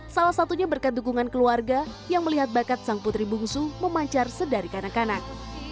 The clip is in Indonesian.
salah satunya berkat dukungan keluarga yang melihat bakat sang putri bungsu memancar sedari kanak kanak